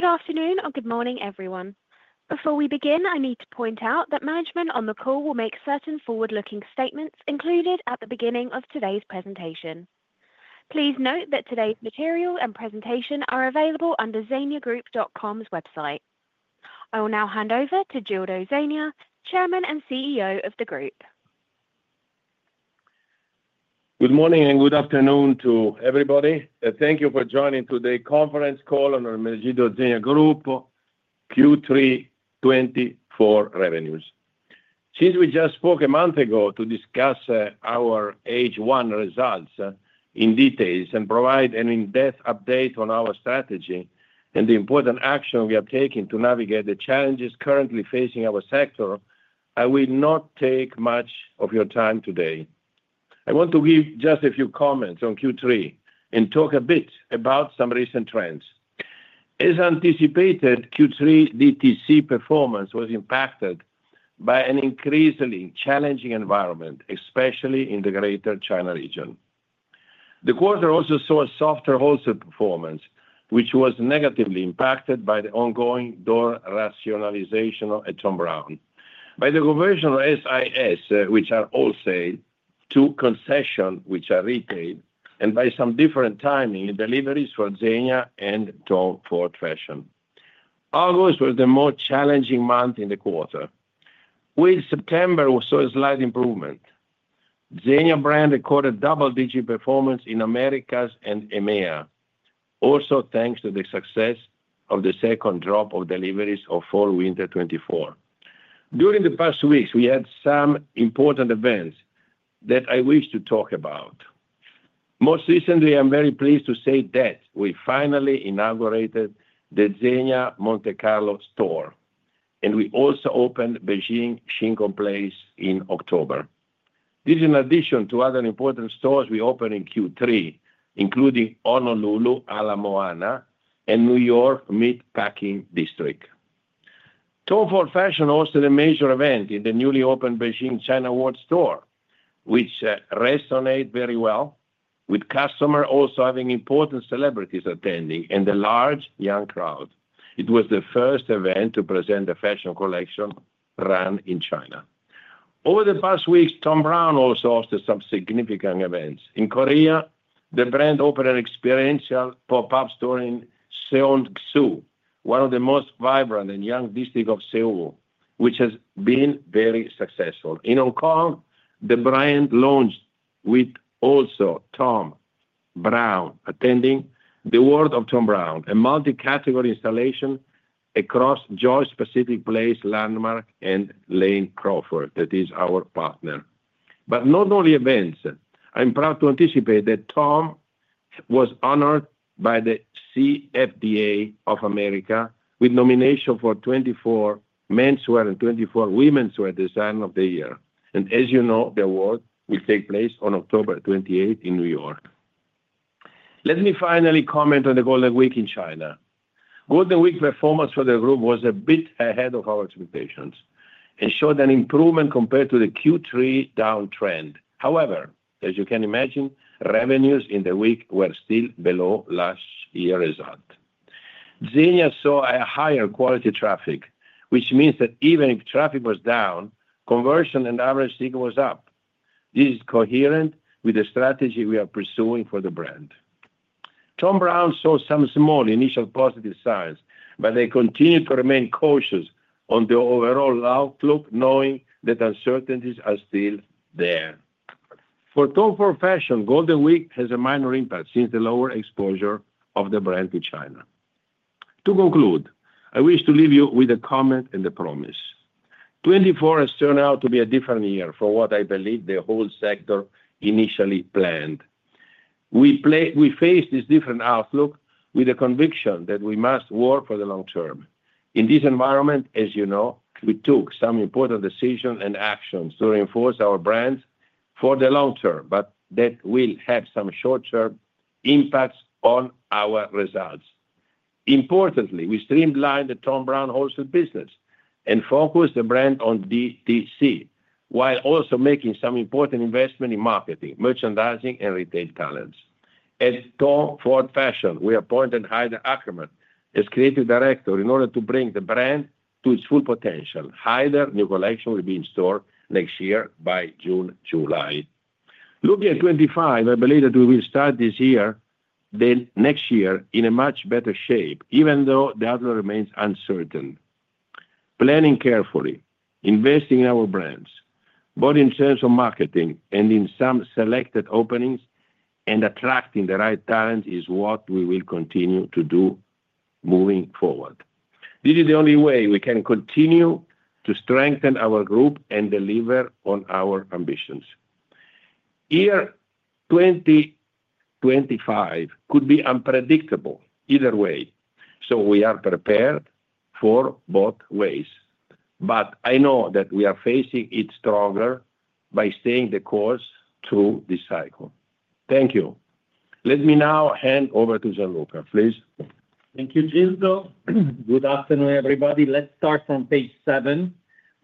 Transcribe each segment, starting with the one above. Good afternoon or good morning, everyone. Before we begin, I need to point out that management on the call will make certain forward-looking statements included at the beginning of today's presentation. Please note that today's material and presentation are available under zegnagroup.com's website. I will now hand over to Gildo Zegna, Chairman and CEO of the group. Good morning and good afternoon to everybody. Thank you for joining today's conference call on Ermenegildo Zegna Group Q3 24 revenues. Since we just spoke a month ago to discuss our H1 results in details and provide an in-depth update on our strategy and the important action we are taking to navigate the challenges currently facing our sector, I will not take much of your time today. I want to give just a few comments on Q3 and talk a bit about some recent trends. As anticipated, Q3 DTC performance was impacted by an increasingly challenging environment, especially in the Greater China region. The quarter also saw a softer wholesale performance, which was negatively impacted by the ongoing door rationalization at Thom Browne, by the conversion of SIS, which are wholesale, to concession, which are retail, and by some different timing in deliveries for Zegna and Thom Ford Fashion. August was the most challenging month in the quarter, with September saw a slight improvement. Zegna brand recorded double-digit performance in Americas and EMEA, also thanks to the success of the second drop of deliveries of Fall/Winter '24. During the past weeks, we had some important events that I wish to talk about. Most recently, I'm very pleased to say that we finally inaugurated the Zegna Monte Carlo store, and we also opened SKP Beijing in October. This is in addition to other important stores we opened in Q3, including Honolulu, Ala Moana, and New York Meatpacking District. Thom Ford Fashion hosted a major event in the newly opened Beijing China World store, which resonated very well, with customers also having important celebrities attending and a large young crowd. It was the first event to present a fashion collection run in China. Over the past weeks, Thom Browne also hosted some significant events. In Korea, the brand opened an experiential pop-up store in Seongsu, one of the most vibrant and young districts of Seoul, which has been very successful. In Hong Kong, the brand launched with also Thom Browne attending the World of Thom Browne, a multi-category installation across Joyce Pacific Place, Landmark, and Lane Crawford, that is our partner. But not only events. I'm proud to anticipate that Thom was honored by the CFDA of America with nomination for 2024 menswear and 2024 women'swear design of the year. And as you know, the award will take place on October 28 in New York. Let me finally comment on the Golden Week in China. Golden Week performance for the group was a bit ahead of our expectations and showed an improvement compared to the Q3 downtrend. However, as you can imagine, revenues in the week were still below last year's result. Zegna saw a higher quality traffic, which means that even if traffic was down, conversion and average spend was up. This is coherent with the strategy we are pursuing for the brand. Thom Browne saw some small initial positive signs, but they continue to remain cautious on the overall outlook, knowing that uncertainties are still there. For Thom Ford Fashion, Golden Week has a minor impact since the lower exposure of the brand to China. To conclude, I wish to leave you with a comment and a promise. 2024 has turned out to be a different year from what I believe the whole sector initially planned. We faced this different outlook with the conviction that we must work for the long term. In this environment, as you know, we took some important decisions and actions to reinforce our brand for the long term, but that will have some short-term impacts on our results. Importantly, we streamlined the Thom Browne wholesale business and focused the brand on DTC, while also making some important investment in marketing, merchandising, and retail talents. At Thom Ford Fashion, we appointed Haider Ackermann as Creative Director in order to bring the brand to its full potential. Haider's new collection will be in store next year by June, July. Looking at 2025, I believe that we will start this year, then next year in a much better shape, even though the outlook remains uncertain. Planning carefully, investing in our brands, both in terms of marketing and in some selected openings, and attracting the right talent is what we will continue to do moving forward. This is the only way we can continue to strengthen our group and deliver on our ambitions. Year 2025 could be unpredictable either way, so we are prepared for both ways. But I know that we are facing it stronger by staying the course through this cycle. Thank you. Let me now hand over to Gianluca, please. Thank you, Gildo. Good afternoon, everybody. Let's start from page seven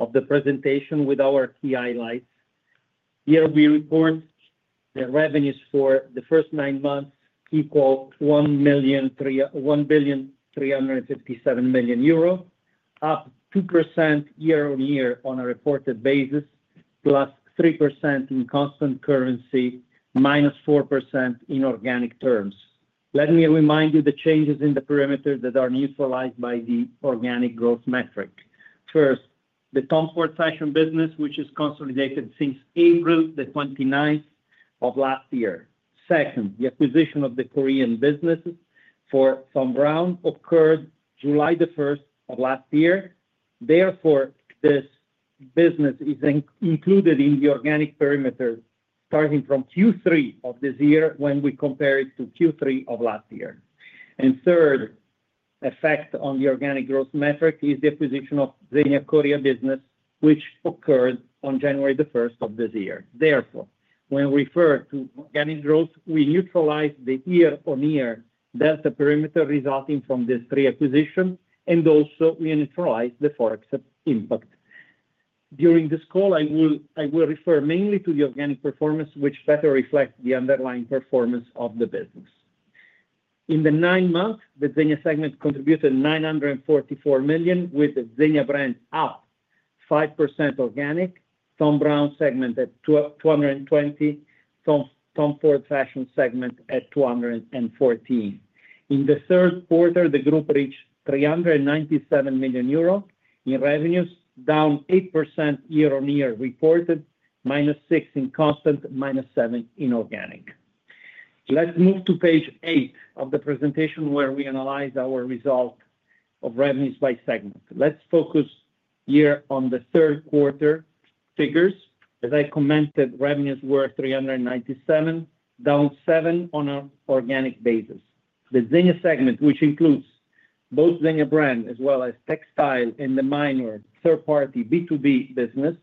of the presentation with our key highlights. Here we report the revenues for the first nine months, equal to EURO 1,357 million, up 2% year-on-year on a reported basis, plus 3% in constant currency, minus 4% in organic terms. Let me remind you of the changes in the perimeters that are neutralized by the organic growth metric. First, the Thom Ford Fashion business, which has consolidated since April the 29th of last year. Second, the acquisition of the Korean business for Thom Browne occurred July the 1st of last year. Therefore, this business is included in the organic perimeter starting from Q3 of this year when we compare it to Q3 of last year. And third, the effect on the organic growth metric is the acquisition of Zegna Korea business, which occurred on January the 1st of this year. Therefore, when we refer to organic growth, we neutralize the year-on-year delta perimeter resulting from this reacquisition, and also we neutralize the forex impact. During this call, I will refer mainly to the organic performance, which better reflects the underlying performance of the business. In the nine months, the Zegna segment contributed 944 million, with the Zegna brand up 5% organic, Thom Browne segment at 220, Thom Ford Fashion segment at 214. In the Q3, the group reached 397 million euros in revenues, down 8% year-on-year reported, minus 6% in constant, minus 7% in organic. Let's move to page eight of the presentation where we analyze our result of revenues by segment. Let's focus here on the Q3 figures. As I commented, revenues were 397, down 7% on an organic basis. The Zegna segment, which includes both Zegna brand as well as textile and the minor third-party B2B business,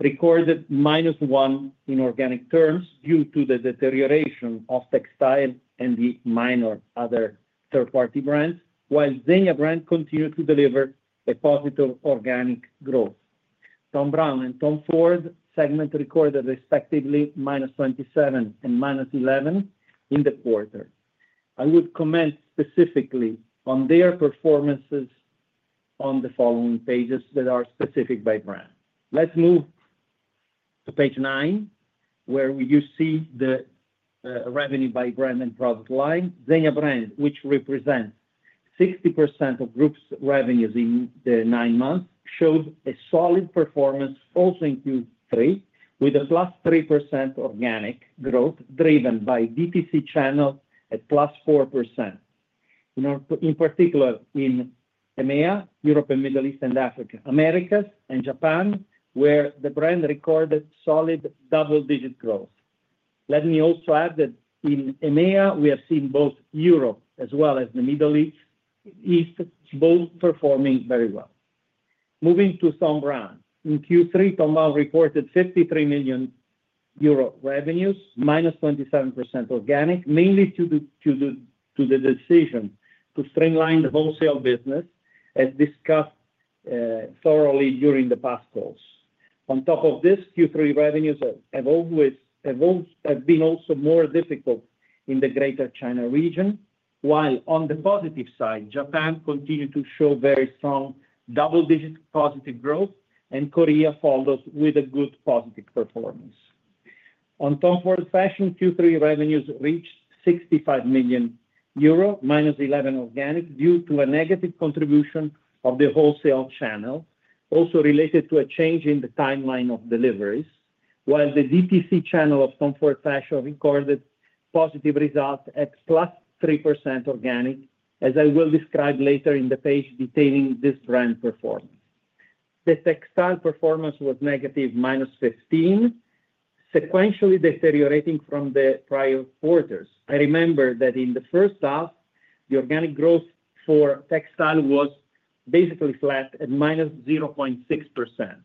recorded -1% in organic terms due to the deterioration of textile and the minor other third-party brands, while Zegna brand continued to deliver a positive organic growth. Thom Browne and Thom Ford Fashion segment recorded respectively -27% and -11% in the quarter. I would comment specifically on their performances on the following pages that are specific by brand. Let's move to page nine, where you see the revenue by brand and product line. Zegna brand, which represents 60% of group's revenues in the nine months, showed a solid performance also in Q3, with a +3% organic growth driven by DTC channel at +4%. In particular, in EMEA, Europe and Middle East and Africa, Americas, and Japan, where the brand recorded solid double-digit growth. Let me also add that in EMEA, we have seen both Europe as well as the Middle East both performing very well. Moving to Thom Browne. In Q3, Thom Browne reported 53 million euro revenues, -27% organic, mainly due to the decision to streamline the wholesale business as discussed thoroughly during the past calls. On top of this, Q3 revenues have been also more difficult in the Greater China region, while on the positive side, Japan continued to show very strong double-digit positive growth, and Korea follows with a good positive performance. On Thom Ford Fashion, Q3 revenues reached 65 million euro, -11% organic, due to a negative contribution of the wholesale channel, also related to a change in the timeline of deliveries, while the DTC channel of Thom Ford Fashion recorded positive results at +3% organic, as I will describe later in the page detailing this brand performance. The textile performance was negative, -15%, sequentially deteriorating from the prior quarters. I remember that in the H1, the organic growth for textile was basically flat at -0.6%,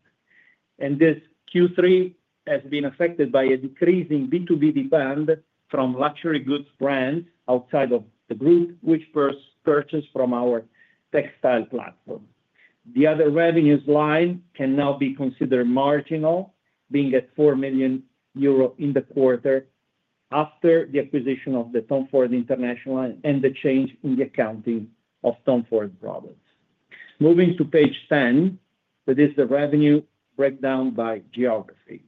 and this Q3 has been affected by a decrease in B2B demand from luxury goods brands outside of the group, which purchase from our textile platform. The other revenues line can now be considered marginal, being at EURO 4 million in the quarter after the acquisition of the Thom Ford International and the change in the accounting of Thom Ford products. Moving to page 10, that is the revenue breakdown by geography.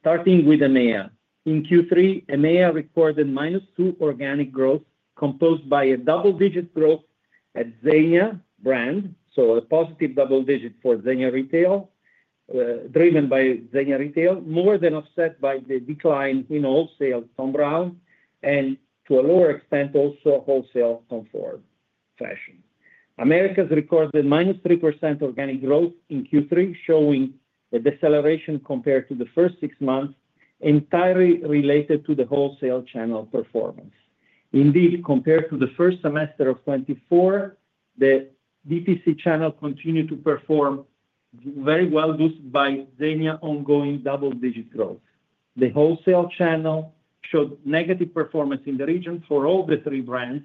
Starting with EMEA. In Q3, EMEA recorded minus 2% organic growth, composed by a double-digit growth at Zegna brand, so a positive double-digit for Zegna retail, driven by Zegna retail, more than offset by the decline in wholesale Thom Browne and to a lower extent also wholesale Thom Ford Fashion. Americas recorded minus 3% organic growth in Q3, showing a deceleration compared to the first six months, entirely related to the wholesale channel performance. Indeed, compared to the first semester of 2024, the DTC channel continued to perform very well boosted by Zegna ongoing double-digit growth. The wholesale channel showed negative performance in the region for all the three brands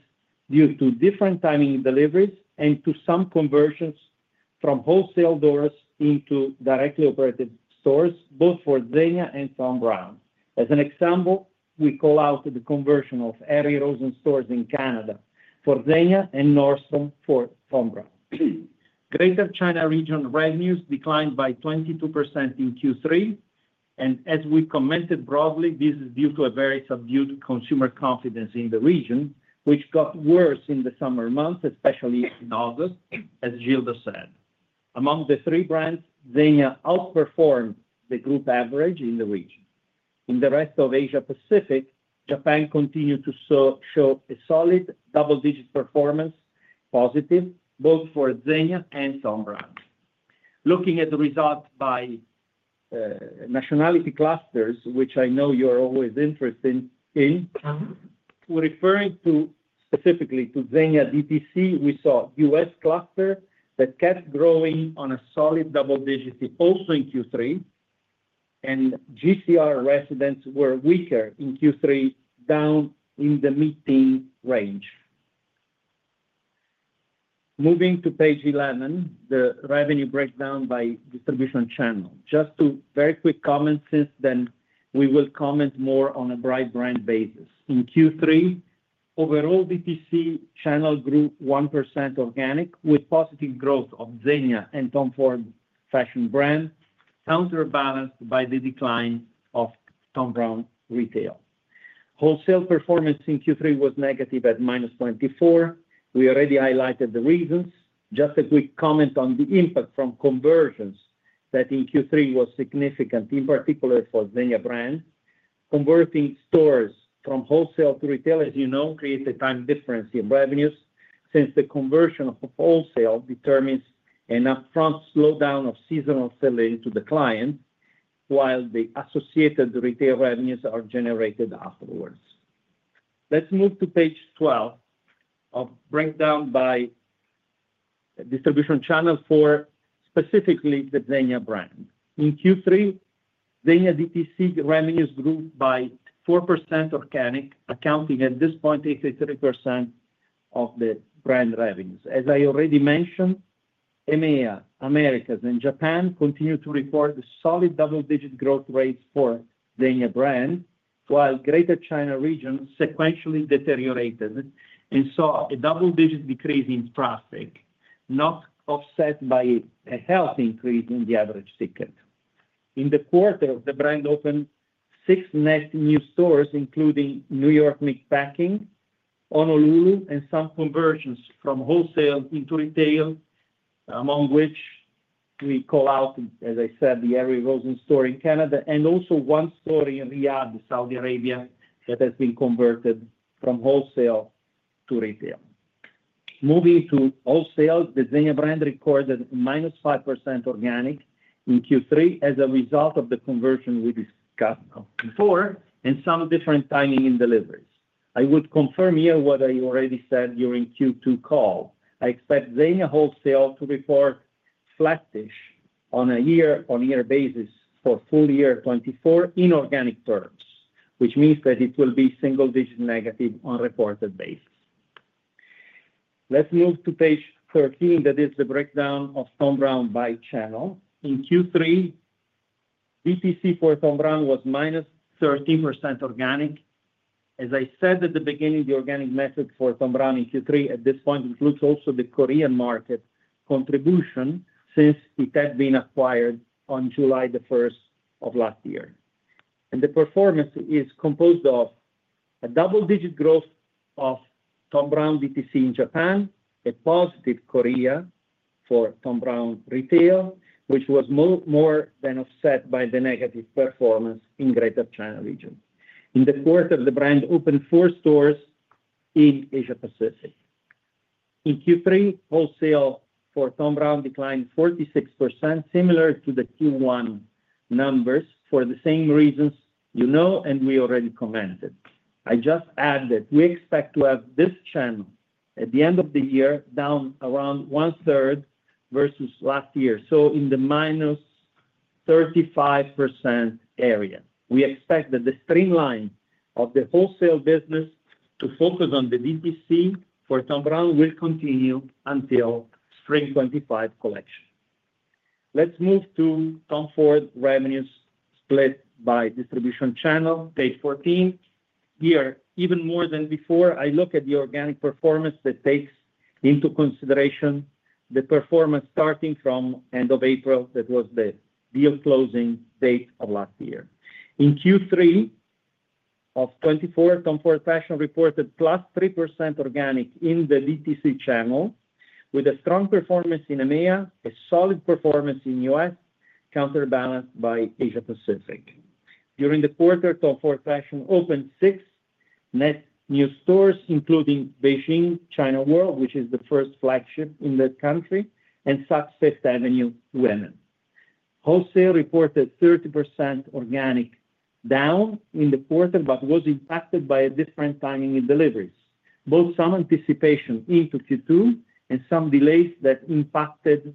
due to different timing deliveries and to some conversions from wholesale doors into directly operated stores, both for Zegna and Thom Browne. As an example, we call out the conversion of Harry Rosen stores in Canada for Zegna and Nordstrom for Thom Browne. Greater China region revenues declined by 22% in Q3, and as we commented broadly, this is due to a very subdued consumer confidence in the region, which got worse in the summer months, especially in August, as Gildo said. Among the three brands, Zegna outperformed the group average in the region. In the rest of Asia Pacific, Japan continued to show a solid double-digit performance, positive, both for Zegna and Thom Browne. Looking at the result by nationality clusters, which I know you're always interested in, referring specifically to Zegna DTC, we saw U.S. cluster that kept growing on a solid double-digit also in Q3, and GCR residents were weaker in Q3, down in the mid-teen range. Moving to page 11, the revenue breakdown by distribution channel. Just two very quick comments, since then we will comment more on a broad brand basis. In Q3, overall DTC channel grew 1% organic with positive growth of Zegna and Thom Ford Fashion brand, counterbalanced by the decline of Thom Browne retail. Wholesale performance in Q3 was negative at -24%. We already highlighted the reasons. Just a quick comment on the impact from conversions that in Q3 was significant, in particular for Zegna brand. Converting stores from wholesale to retail, as you know, creates a time difference in revenues since the conversion of wholesale determines an upfront slowdown of seasonal selling to the client, while the associated retail revenues are generated afterwards. Let's move to page 12 of breakdown by distribution channel for specifically the Zegna brand. In Q3, Zegna DTC revenues grew by 4% organic, accounting at this point 83% of the brand revenues. As I already mentioned, EMEA, Americas, and Japan continued to report solid double-digit growth rates for Zegna brand, while Greater China region sequentially deteriorated and saw a double-digit decrease in traffic, not offset by a healthy increase in the average ticket. In the quarter, the brand opened six net new stores, including New York Meatpacking District, Honolulu, and some conversions from wholesale into retail, among which we call out, as I said, the Harry Rosen store in Canada and also one store in Riyadh, Saudi Arabia, that has been converted from wholesale to retail. Moving to wholesale, the Zegna brand recorded -5% organic in Q3 as a result of the conversion we discussed before and some different timing in deliveries. I would confirm here what I already said during Q2 call. I expect Zegna wholesale to report flattish on a year-on-year basis for full year 2024 in organic terms, which means that it will be single-digit negative on reported basis. Let's move to page 13, that is the breakdown of Thom Browne by channel. In Q3, DTC for Thom Browne was minus 13% organic. As I said at the beginning, the organic metric for Thom Browne in Q3 at this point includes also the Korean market contribution since it had been acquired on July the 1st of last year, and the performance is composed of a double-digit growth of Thom Browne DTC in Japan, a positive Korea for Thom Browne retail, which was more than offset by the negative performance in Greater China region. In the quarter, the brand opened four stores in Asia Pacific. In Q3, wholesale for Thom Browne declined 46%, similar to the Q1 numbers for the same reasons you know and we already commented. I just add that we expect to have this channel at the end of the year down around one-third versus last year, so in the -35% area. We expect that the streamline of the wholesale business to focus on the DTC for Thom Browne will continue until Spring '25 collection. Let's move to Thom Ford revenues split by distribution channel, page 14. Here, even more than before, I look at the organic performance that takes into consideration the performance starting from end of April, that was the deal closing date of last year. In Q3 of 2024, Thom Ford Fashion reported +3% organic in the DTC channel with a strong performance in EMEA, a solid performance in U.S., counterbalanced by Asia Pacific. During the quarter, Thom Ford Fashion opened six net new stores, including Beijing China World, which is the first flagship in the country, and Saks Fifth Avenue women's. Wholesale reported 30% organic down in the quarter, but was impacted by a different timing in deliveries, both some anticipation into Q2 and some delays that impacted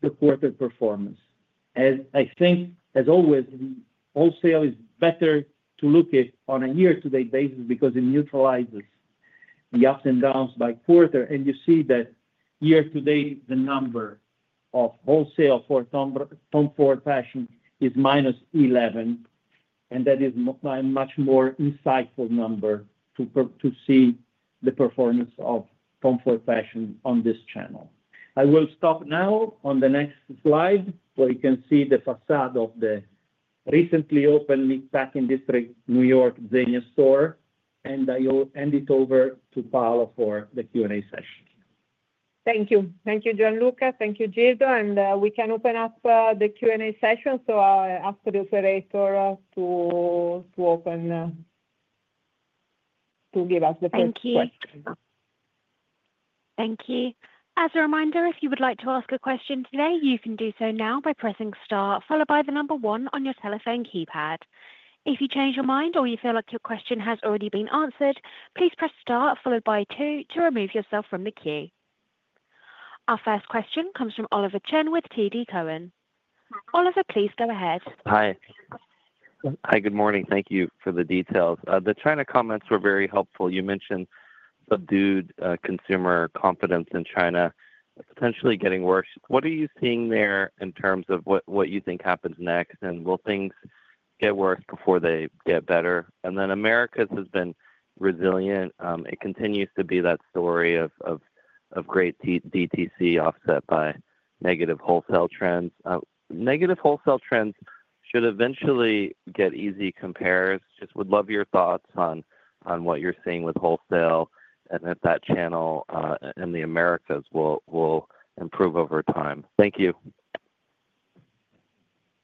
the quarter performance. As I think, as always, wholesale is better to look at on a year-to-date basis because it neutralizes the ups and downs by quarter, and you see that year-to-date, the number of wholesale for Thom Ford Fashion is minus 11%, and that is a much more insightful number to see the performance of Thom Ford Fashion on this channel. I will stop now on the next slide where you can see the facade of the recently opened Meatpacking District New York Zegna store, and I'll hand it over to Paola for the Q&A session. Thank you. Thank you, Gianluca. Thank you, Gildo. And we can open up the Q&A session. So I'll ask the operator to open to give us the first question. Thank you. Thank you. As a reminder, if you would like to ask a question today, you can do so now by pressing star, followed by the number one on your telephone keypad. If you change your mind or you feel like your question has already been answered, please press star, followed by two to remove yourself from the queue. Our first question comes from Oliver Chen with TD Cowen. Oliver, please go ahead. Hi. Hi, good morning. Thank you for the details. The China comments were very helpful. You mentioned subdued consumer confidence in China potentially getting worse. What are you seeing there in terms of what you think happens next? And will things get worse before they get better? And then Americas has been resilient. It continues to be that story of great DTC offset by negative wholesale trends. Negative wholesale trends should eventually get easy comps. Just would love your thoughts on what you're seeing with wholesale and that channel and the Americas will improve over time. Thank you.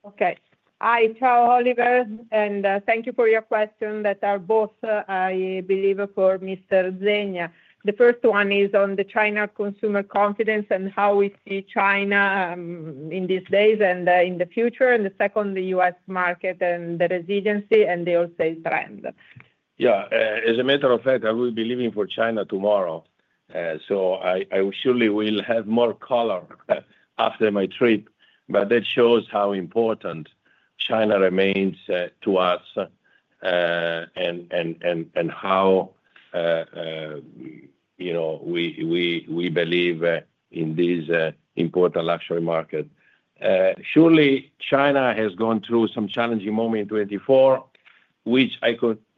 Okay. Hi, Ciao, Oliver. And thank you for your questions that are both, I believe, for Mr. Zegna. The first one is on the China consumer confidence and how we see China in these days and in the future, and the second, the US market and the resiliency and the wholesale trend. Yeah. As a matter of fact, I will be leaving for China tomorrow. So I surely will have more color after my trip, but that shows how important China remains to us and how we believe in this important luxury market. Surely, China has gone through some challenging moment in 2024, which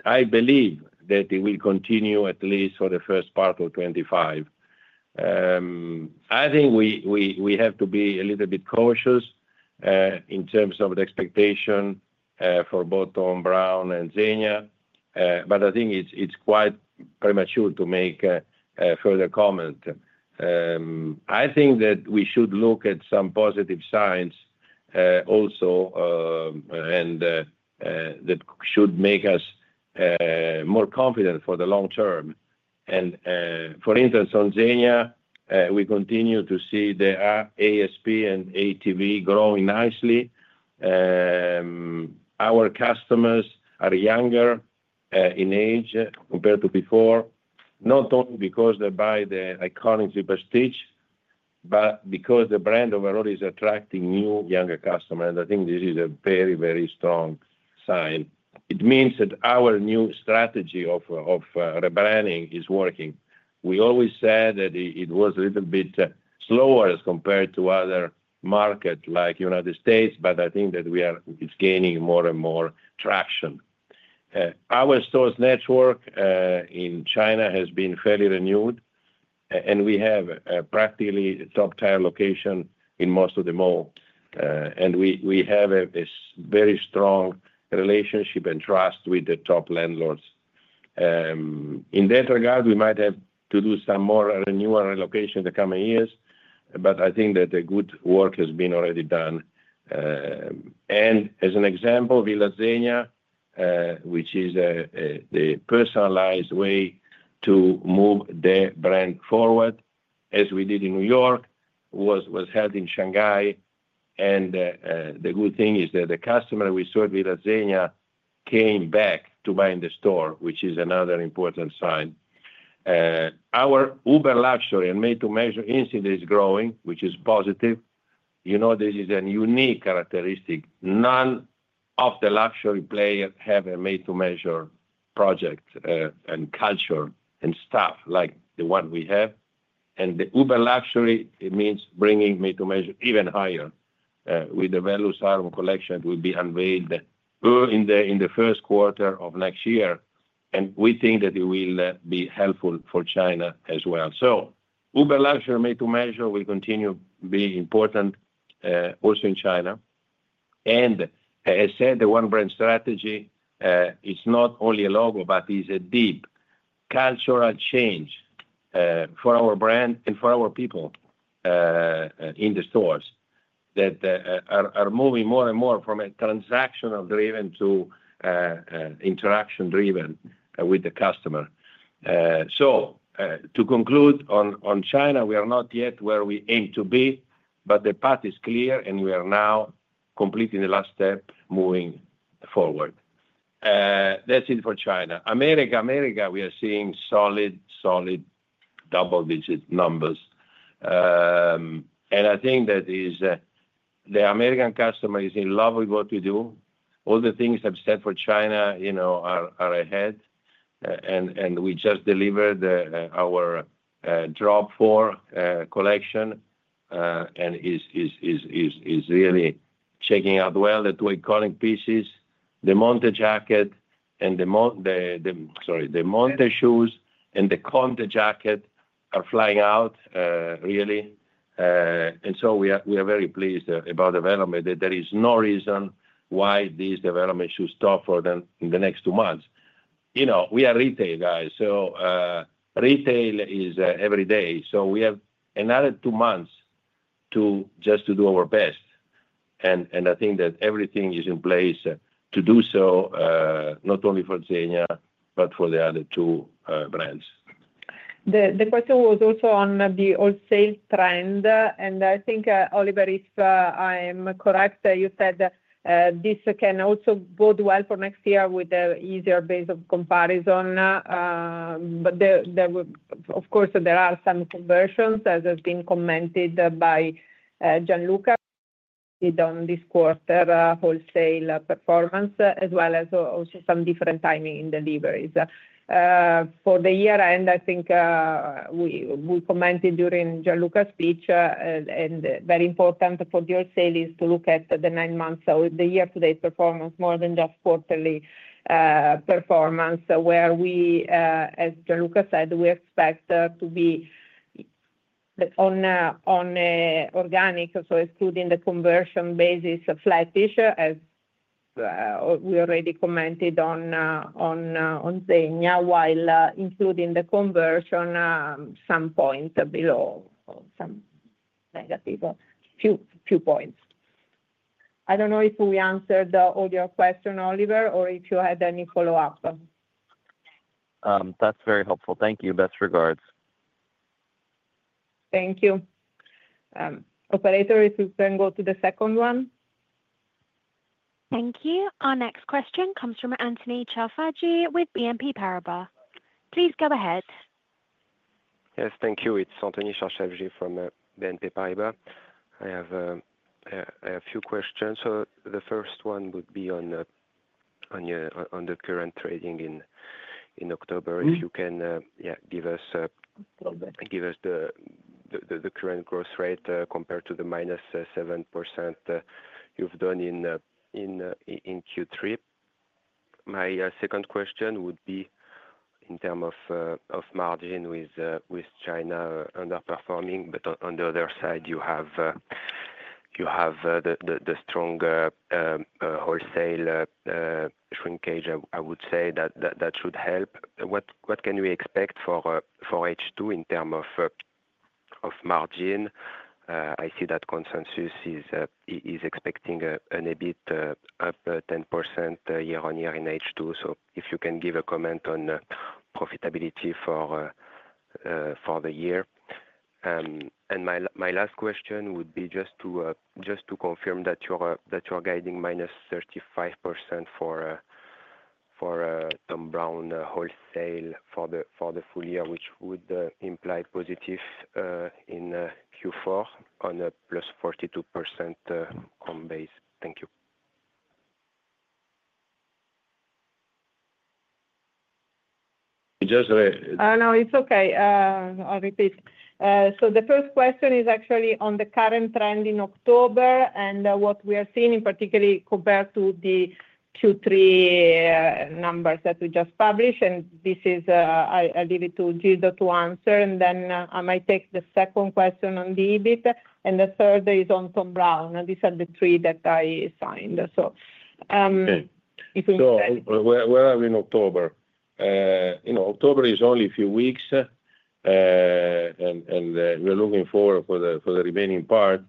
I believe that it will continue at least for the first part of 2025. I think we have to be a little bit cautious in terms of the expectation for both Thom Browne and Zegna, but I think it's quite premature to make further comment. I think that we should look at some positive signs also and that should make us more confident for the long term. And for instance, on Zegna, we continue to see the ASP and ATV growing nicely. Our customers are younger in age compared to before, not only because they buy the iconic Triple Stitch, but because the brand overall is attracting new younger customers. And I think this is a very, very strong sign. It means that our new strategy of rebranding is working. We always said that it was a little bit slower as compared to other markets like the United States, but I think that it's gaining more and more traction. Our sales network in China has been fairly renewed, and we have practically top-tier location in most of the malls. And we have a very strong relationship and trust with the top landlords. In that regard, we might have to do some more renewal and relocation in the coming years, but I think that the good work has been already done. And as an example, Villa Zegna, which is the personalized way to move the brand forward, as we did in New York, was held in Shanghai. And the good thing is that the customer we served with Zegna came back to buy in the store, which is another important sign. Our Uber Luxury and made-to-measure incidence is growing, which is positive. You know this is a unique characteristic. None of the luxury players have a made-to-measure project and culture and stuff like the one we have. And the Uber Luxury, it means bringing made-to-measure even higher. With the Vellus Aureum collection, it will be unveiled in the Q1 of next year. And we think that it will be helpful for China as well. So Uber Luxury made-to-measure will continue to be important also in China. As I said, the one-brand strategy is not only a logo, but is a deep cultural change for our brand and for our people in the stores that are moving more and more from a transactional driven to interaction driven with the customer. So to conclude on China, we are not yet where we aim to be, but the path is clear, and we are now completing the last step moving forward. That's it for China. America, America, we are seeing solid, solid double-digit numbers. And I think that the American customer is in love with what we do. All the things I've said for China are ahead. And we just delivered our drop four collection and is really checking out well. The two iconic pieces, the Monte shoes and the Conte jacket are flying out really. And so we are very pleased about development. There is no reason why these developments should stop for them in the next two months. We are retail guys, so retail is every day. So we have another two months just to do our best. And I think that everything is in place to do so, not only for Zegna, but for the other two brands. The question was also on the wholesale trend. And I think, Oliver, if I am correct, you said this can also bode well for next year with an easier base of comparison. But of course, there are some conversions, as has been commented by Gianluca, on this quarter wholesale performance, as well as also some different timing in deliveries. For the year-end, I think we commented during Gianluca's speech, and very important for the wholesale is to look at the nine months or the year-to-date performance more than just quarterly performance, where we, as Gianluca said, we expect to be on organic, so excluding the concession basis of flattish, as we already commented on Zegna, while including the concession some point below, some negative few points. I don't know if we answered all your questions, Oliver, or if you had any follow-up. That's very helpful. Thank you. Best regards. Thank you. Operator, if you can go to the second one. Thank you. Our next question comes from Anthony Chavergue with BNP Paribas. Please go ahead. Yes, thank you. It's Anthony Chavergue from BNP Paribas. I have a few questions. So the first one would be on the current trading in October. If you can give us the current growth rate compared to the minus 7% you've done in Q3. My second question would be in terms of margin with China underperforming, but on the other side, you have the strong wholesale shrinkage. I would say that that should help. What can we expect for H2 in terms of margin? I see that Consensus is expecting a bit up 10% year-on-year in H2. So if you can give a comment on profitability for the year. And my last question would be just to confirm that you're guiding minus 35% for Thom Browne wholesale for the full year, which would imply positive in Q4 on a plus 42% comp base. Thank you. The first question is actually on the current trend in October and what we are seeing, particularly compared to the Q3 numbers that we just published. This is. I'll leave it to Gildo to answer. Then I might take the second question on the EBIT. The third is on Thom Browne. These are the three that I signed. Where are we in October? October is only a few weeks, and we're looking forward for the remaining part.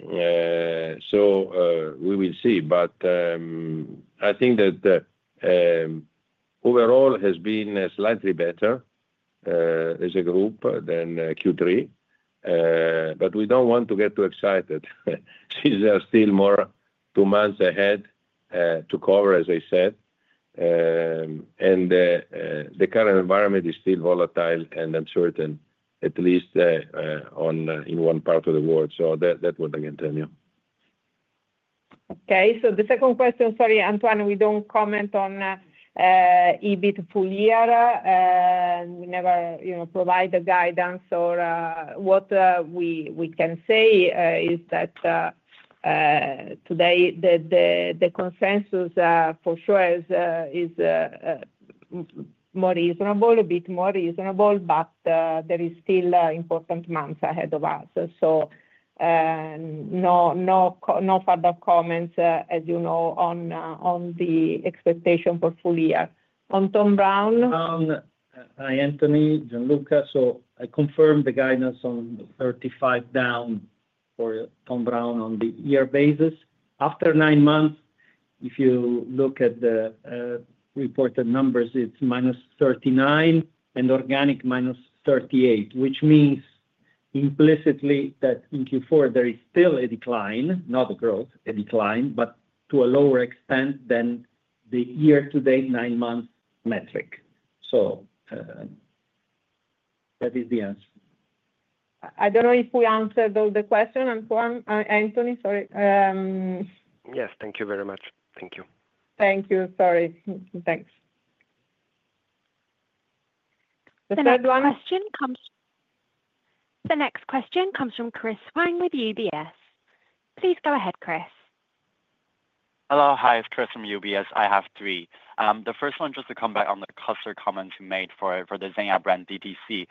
We will see. I think that overall has been slightly better as a group than Q3. We don't want to get too excited. There are still more two months ahead to cover, as I said. The current environment is still volatile and uncertain, at least in one part of the world. That's what I can tell you. Okay. The second question, sorry, Anthony, we don't comment on EBIT full year. We never provide the guidance. Or what we can say is that today, the consensus for sure is more reasonable, a bit more reasonable, but there are still important months ahead of us. No further comments, as you know, on the expectation for full year. On Thom Browne. Hi, Anthony, Gianluca. I confirmed the guidance on -35% for Thom Browne on the year basis. After nine months, if you look at the reported numbers, it's -39% and organic -38%, which means implicitly that in Q4, there is still a decline, not a growth, a decline, but to a lower extent than the year-to-date nine-month metric. That is the answer. I don't know if we answered all the questions. Anthony, sorry. Yes, thank you very much. Thank you. Thank you. Sorry. Thanks. The third one. The next question comes from Chris Huang with UBS. Please go ahead, Chris. Hello. Hi, Chris from UBS. I have three. The first one, just to comment on the cluster comments you made for the Zegna brand DTC.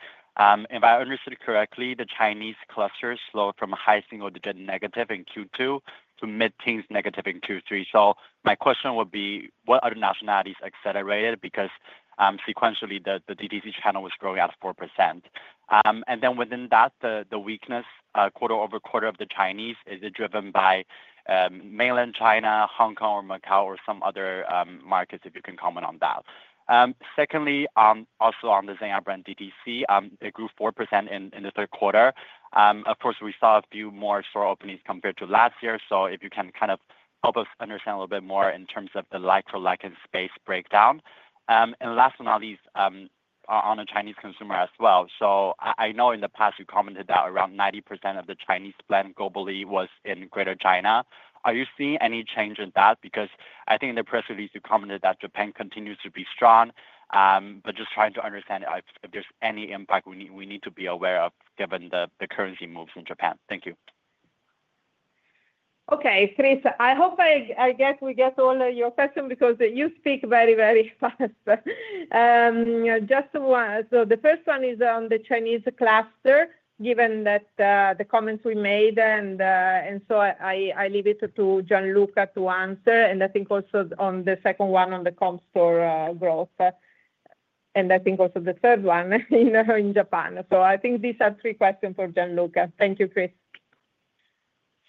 If I understood correctly, the Chinese cluster slowed from a high single-digit negative in Q2 to mid-teens negative in Q3. So my question would be, what other nationalities accelerated? Because sequentially, the DTC channel was growing at 4%. And then within that, the weakness quarter-over-quarter of the Chinese is driven by mainland China, Hong Kong, or Macau, or some other markets, if you can comment on that. Secondly, also on the Zegna brand DTC, it grew 4% in the Q3. Of course, we saw a few more store openings compared to last year. So if you can kind of help us understand a little bit more in terms of the like-for-like and space breakdown. And last but not least, on a Chinese consumer as well. So I know in the past, you commented that around 90% of the Chinese spend globally was in Greater China. Are you seeing any change in that? Because I think in the press release, you commented that Japan continues to be strong. But just trying to understand if there's any impact we need to be aware of given the currency moves in Japan. Thank you. Okay, Chris, I hope I guess we get all your questions because you speak very, very fast. Just one. So the first one is on the Chinese cluster, given that the comments we made. And so I leave it to Gianluca to answer. I think also on the second one, on the comp store growth. I think also the third one in Japan. So I think these are three questions for Gianluca. Thank you, Chris.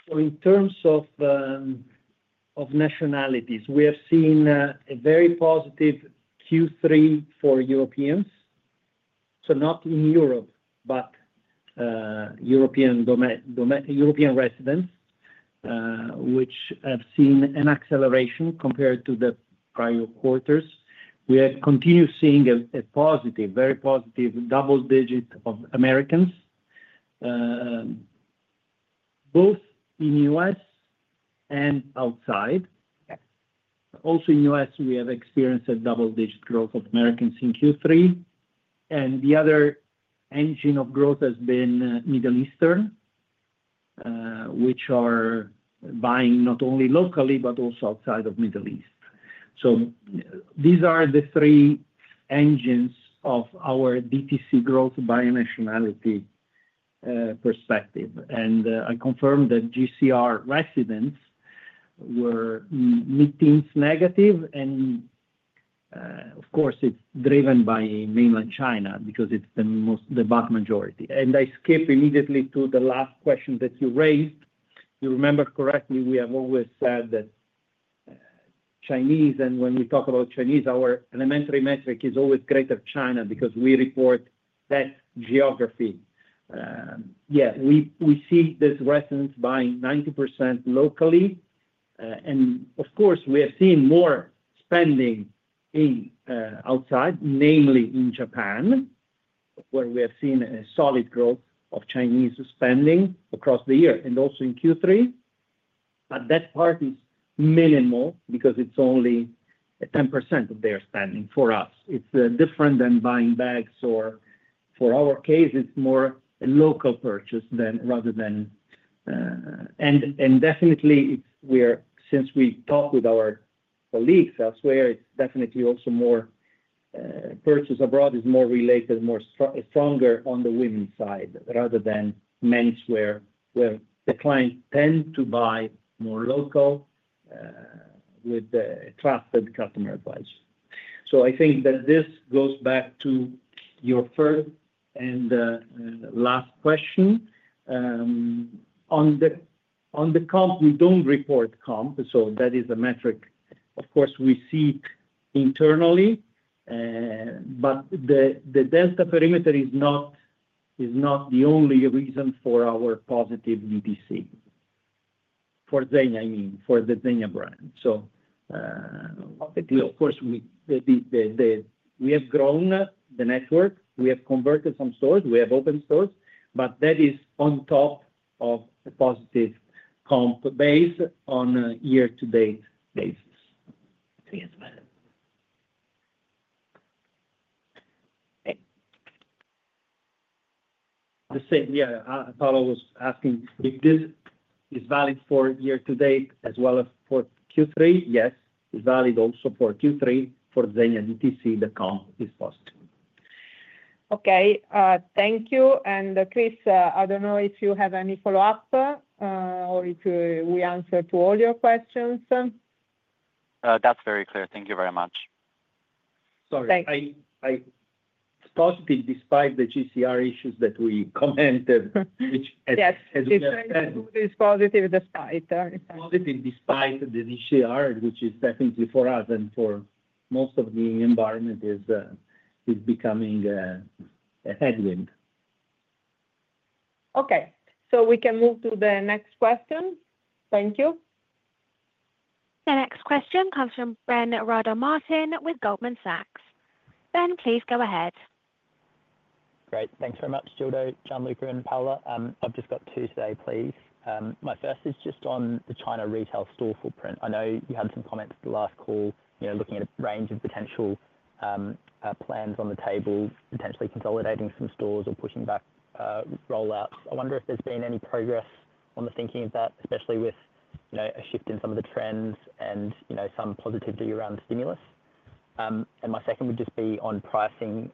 So in terms of nationalities, we have seen a very positive Q3 for Europeans. So not in Europe, but European residents, which have seen an acceleration compared to the prior quarters. We continue seeing a positive, very positive double-digit of Americans, both in the U.S. and outside. Also in the U.S., we have experienced a double-digit growth of Americans in Q3. And the other engine of growth has been Middle Eastern, which are buying not only locally, but also outside of the Middle East. So these are the three engines of our DTC growth by nationality perspective. And I confirmed that GCR residents were mid-teens negative. Of course, it's driven by mainland China because it's the vast majority. I skip immediately to the last question that you raised. If you remember correctly, we have always said that Chinese, and when we talk about Chinese, our elementary metric is always Greater China because we report that geography. Yeah, we see these residents buying 90% locally. Of course, we have seen more spending outside, namely in Japan, where we have seen a solid growth of Chinese spending across the year and also in Q3. But that part is minimal because it's only 10% of their spending for us. It's different than buying bags or, for our case, it's more a local purchase rather than. Definitely, since we talk with our colleagues elsewhere, it's definitely also more purchase abroad is more related, more stronger on the women's side rather than menswear, where the clients tend to buy more local with trusted customer advice. I think that this goes back to your first and last question. On the comp, we don't report comp. That is a metric. Of course, we see internally, but the delta perimeter is not the only reason for our positive DTC. For Zegna, I mean, for the Zegna brand. Of course, we have grown the network. We have converted some stores. We have open stores. But that is on top of a positive comp base on a year-to-date basis. The same, yeah. Paolo was asking if this is valid for year-to-date as well as for Q3. Yes, it's valid also for Q3 for Zegna DTC, the comp is positive. Okay. Thank you. And Chris, I don't know if you have any follow-up or if we answered all your questions. That's very clear. Thank you very much. Sorry. It's positive despite the GCR issues that we commented, which has been. Yes, it's very good. It's positive despite. Positive despite the GCR, which is definitely for us and for most of the environment is becoming a headwind. Okay. So we can move to the next question. Thank you. The next question comes from Ben Martin with Goldman Sachs. Ben, please go ahead. Great. Thanks very much, Gildo, Gianluca, and Paola. I've just got two to say, please. My first is just on the China retail store footprint. I know you had some comments at the last call looking at a range of potential plans on the table, potentially consolidating some stores or pushing back rollouts. I wonder if there's been any progress on the thinking of that, especially with a shift in some of the trends and some positivity around stimulus, and my second would just be on pricing,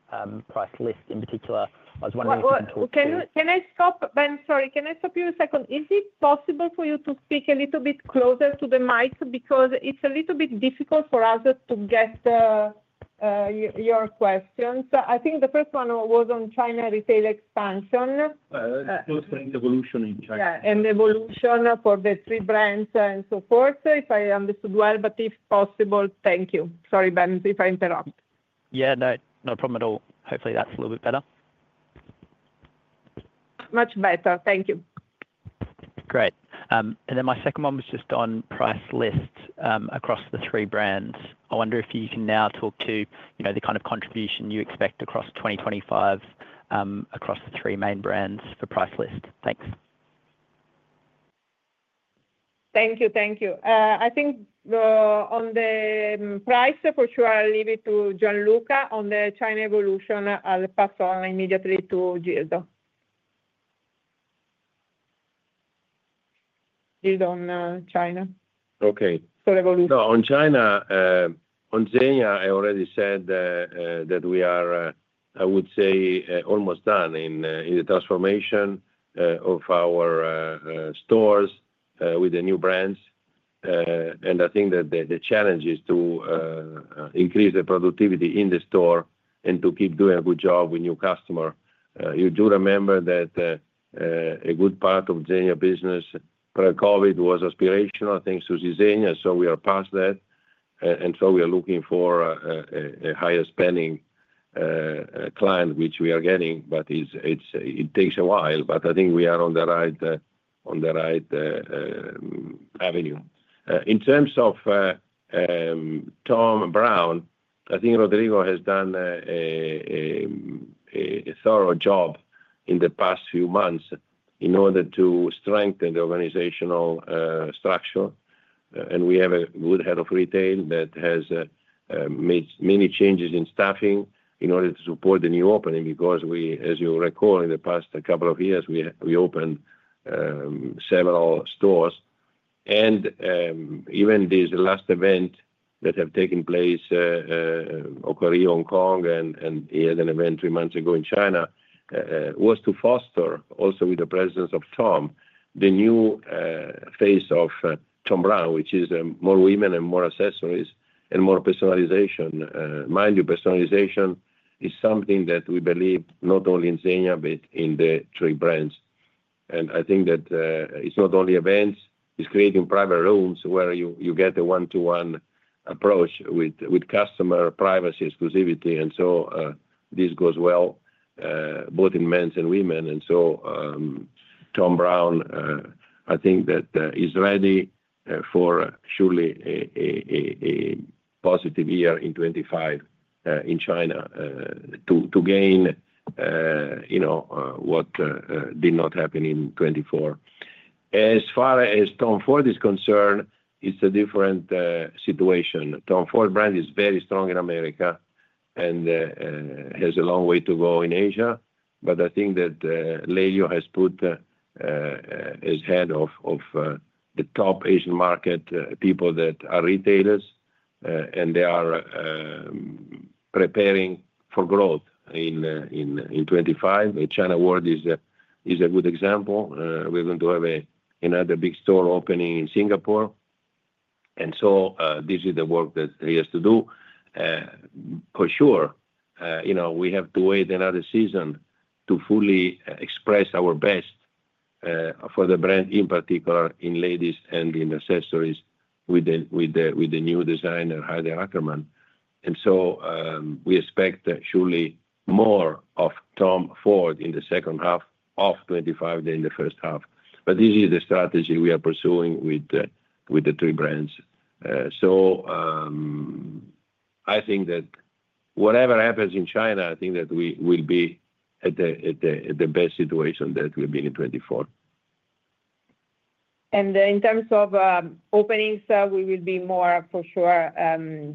price list in particular. I was wondering if you can talk to. Can I stop? Ben, sorry. Can I stop you a second? Is it possible for you to speak a little bit closer to the mic because it's a little bit difficult for us to get your questions? I think the first one was on China retail expansion. It's also an evolution in China. Yeah, an evolution for the three brands and so forth, if I understood well, but if possible, thank you. Sorry, Ben, if I interrupt. Yeah, no problem at all. Hopefully, that's a little bit better. Much better. Thank you. Great. And then my second one was just on price list across the three brands. I wonder if you can now talk to the kind of contribution you expect across 2025 across the three main brands for price list. Thanks. Thank you. Thank you. I think on the price, for sure, I'll leave it to Gianluca. On the China evolution, I'll pass on immediately to Gildo. Gildo on China. Okay. So evolution. No, on China, on Zegna, I already said that we are, I would say, almost done in the transformation of our stores with the new brands. And I think that the challenge is to increase the productivity in the store and to keep doing a good job with new customers. You do remember that a good part of Zegna business pre-COVID was aspirational, thanks to Zegna. So we are past that. And so we are looking for a higher spending client, which we are getting, but it takes a while. But I think we are on the right avenue. In terms of Thom Browne, I think Rodrigo has done a thorough job in the past few months in order to strengthen the organizational structure. And we have a good head of retail that has made many changes in staffing in order to support the new opening because we, as you recall, in the past couple of years, we opened several stores. And even this last event that has taken place in Hong Kong, and he had an event three months ago in China, was to foster, also with the presence of Thom, the new phase of Thom Browne, which is more women and more accessories and more personalization. Mind you, personalization is something that we believe not only in Zegna, but in the three brands. And I think that it's not only events. It's creating private rooms where you get a one-to-one approach with customer privacy, exclusivity. And so this goes well both in men's and women. And so Thom Browne, I think that is ready for surely a positive year in 2025 in China to gain what did not happen in 2024. As far as Thom Ford is concerned, it's a different situation. Thom Ford brand is very strong in America and has a long way to go in Asia. But I think that Leo has put his head of the top Asian market people that are retailers, and they are preparing for growth in 2025. The China World is a good example. We're going to have another big store opening in Singapore. And so this is the work that he has to do. For sure, we have to wait another season to fully express our best for the brand, in particular in ladies and in accessories with the new designer, Haider Ackermann. And so we expect surely more of Thom Ford in the H2 of 2025 than in the H1. But this is the strategy we are pursuing with the three brands. So I think that whatever happens in China, I think that we will be at the best situation that we've been in 2024. In terms of openings, we will be more for sure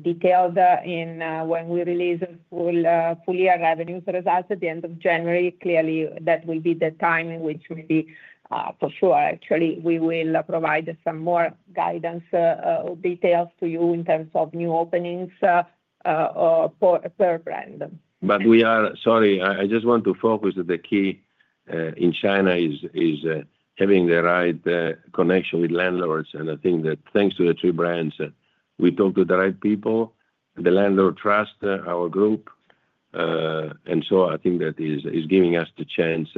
detailed when we release full year revenues results at the end of January. Clearly, that will be the time in which maybe for sure, actually, we will provide some more guidance details to you in terms of new openings per brand. But we are, sorry, I just want to focus that the key in China is having the right connection with landlords. And I think that thanks to the three brands, we talk to the right people. The landlord trusts our group. And so I think that is giving us the chance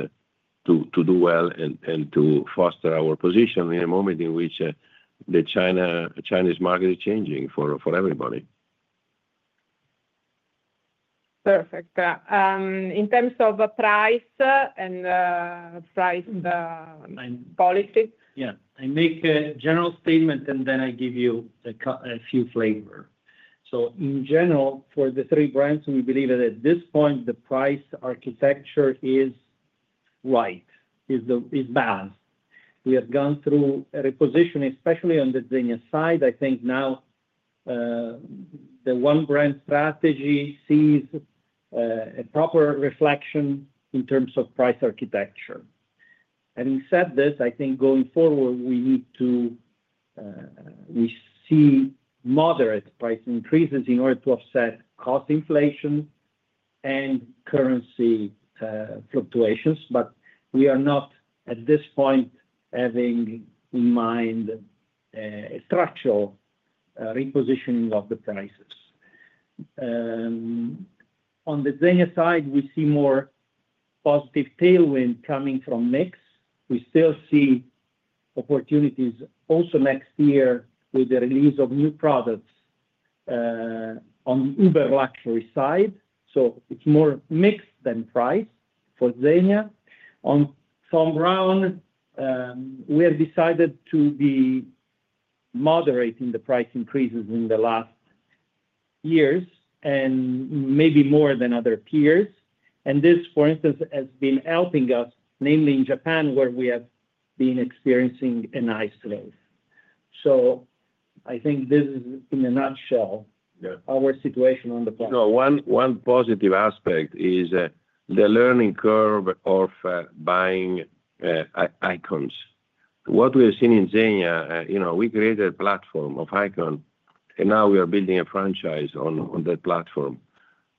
to do well and to foster our position in a moment in which the Chinese market is changing for everybody. Perfect. In terms of price and price policy. Yeah. I make a general statement, and then I give you a few flavors. So in general, for the three brands, we believe that at this point, the price architecture is right, is balanced. We have gone through a repositioning, especially on the Zegna side. I think now the one-brand strategy sees a proper reflection in terms of price architecture. Having said this, I think going forward, we see moderate price increases in order to offset cost inflation and currency fluctuations. But we are not at this point having in mind a structural repositioning of the prices. On the Zegna side, we see more positive tailwind coming from mix. We still see opportunities also next year with the release of new products on the Uber Luxury side. So it's more mixed than price for Zegna. On Thom Browne, we have decided to be moderate in the price increases in the last years and maybe more than other peers. This, for instance, has been helping us, namely in Japan, where we have been experiencing an upside. I think this is, in a nutshell, our situation on the platform. One positive aspect is the learning curve of buying icons. What we have seen in Zegna, we created a platform of icons, and now we are building a franchise on that platform.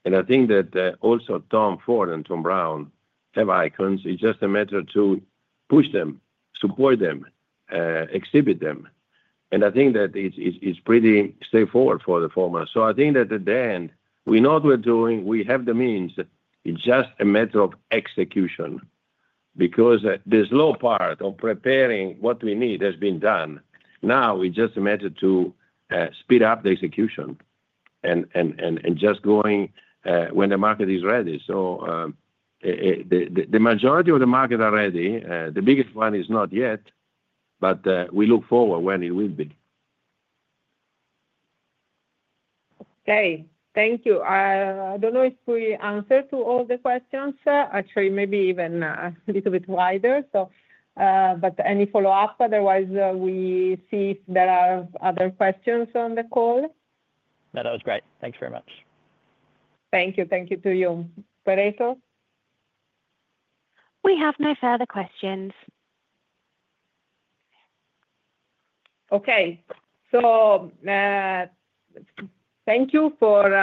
I think that also Thom Ford and Thom Browne have icons. It's just a matter to push them, support them, exhibit them. I think that it's pretty straightforward for the former. I think that at the end, we know what we're doing. We have the means. It's just a matter of execution because this slow part of preparing what we need has been done. Now it's just a matter to speed up the execution and just going when the market is ready. So the majority of the market are ready. The biggest one is not yet, but we look forward when it will be. Okay. Thank you. I don't know if we answered to all the questions. Actually, maybe even a little bit wider. But any follow-up? Otherwise, we see if there are other questions on the call. No, that was great. Thanks very much. Thank you. Thank you to you, Operator. We have no further questions. Okay. So thank you for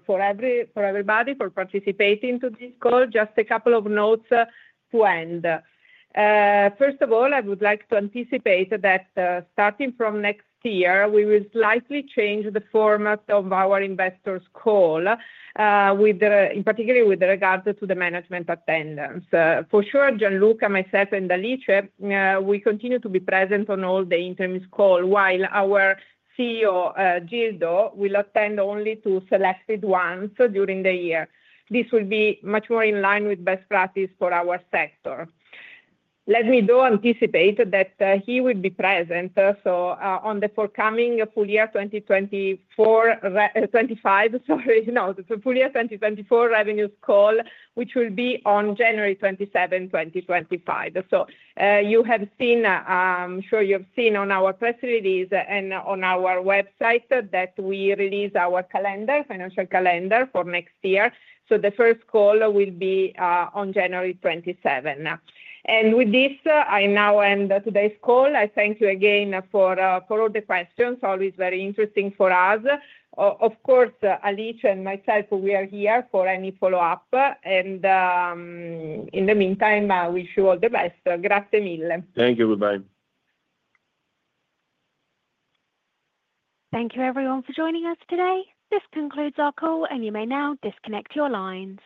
everybody for participating to this call. Just a couple of notes to end. First of all, I would like to anticipate that starting from next year, we will slightly change the format of our investors' call, particularly with regard to the management attendance. For sure, Gianluca, myself, and Alice, we continue to be present on all the interim calls, while our CEO, Gildo, will attend only to selected ones during the year. This will be much more in line with best practice for our sector. Let me though anticipate that he will be present on the forthcoming full year 2025, sorry, no, the full year 2024 revenues call, which will be on January 27, 2025. You have seen, I'm sure you have seen on our press release and on our website that we release our calendar, financial calendar for next year. The first call will be on January 27. With this, I now end today's call. I thank you again for all the questions. Always very interesting for us. Of course, Alice and myself, we are here for any follow-up. In the meantime, I wish you all the best. Grazie mille. Thank you. Goodbye. Thank you, everyone, for joining us today. This concludes our call, and you may now disconnect your lines.